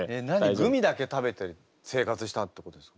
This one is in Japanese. グミだけ食べて生活したってことですか？